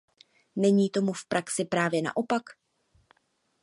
Není tomu v praxi právě naopak?